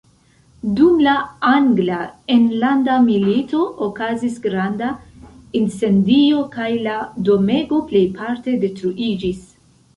Dum la angla enlanda milito okazis granda incendio, kaj la domego plejparte detruiĝis.